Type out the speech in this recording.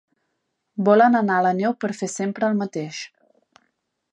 Volen anar a la neu per fer sempre el mateix.